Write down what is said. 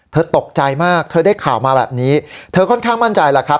ตกใจมากเธอได้ข่าวมาแบบนี้เธอค่อนข้างมั่นใจแล้วครับ